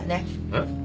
えっ？